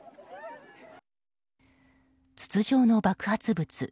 筒状の爆発物。